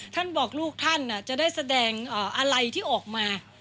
ท่านบอกลูกท่านจะได้แสดงอะไรที่ออกมา